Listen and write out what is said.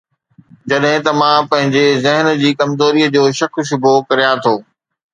جڏهن ته مان پنهنجي ذهن جي ڪمزوريءَ جو شڪ شبهو ڪريان ٿو